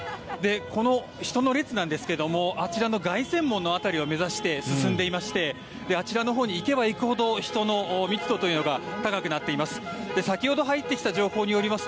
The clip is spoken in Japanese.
この人の列なんですがあちらの凱旋門辺りを目指して進んでいましてあちらのほうに行けば行くほど人の密度が高くなっています。